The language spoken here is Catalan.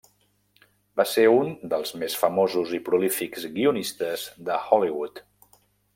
Va ser un dels més famosos i prolífics guionistes de Hollywood.